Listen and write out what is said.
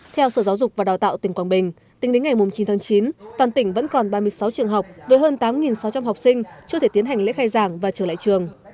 theo sở giáo dục và đào tạo tỉnh quảng bình tính đến ngày chín tháng chín toàn tỉnh vẫn còn ba mươi sáu trường học với hơn tám sáu trăm linh học sinh chưa thể tiến hành lễ khai giảng và trở lại trường